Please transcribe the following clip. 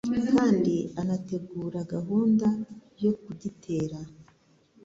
kandi anategura gahunda yo kugitera